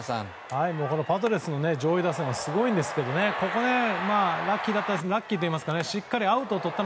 このパドレスの上位打線はすごいんですがここ、ラッキーといいますかしっかりアウトをとった。